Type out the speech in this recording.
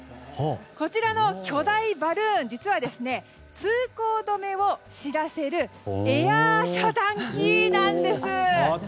こちらの巨大バルーン実は、通行止めを知らせるエアー遮断機なんです！